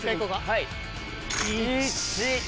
はい。